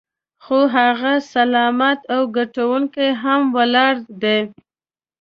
خو هغه سلامت او ګټونکی هم ولاړ دی.